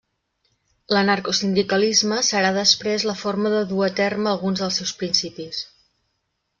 L'anarcosindicalisme serà després la forma de dur a terme alguns dels seus principis.